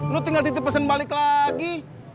lu tinggal ditip pesen balik lagi